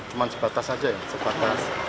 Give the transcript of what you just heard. cuma sebatas saja ya